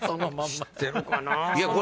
知ってるかな？